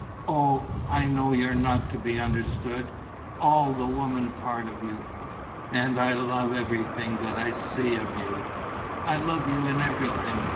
Oh, I know, you're not to be understood, all the woman part of you! And I love everything that I see of you: I love you in everything.